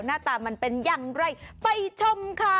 หน้าตามันเป็นอย่างไรไปชมค่ะ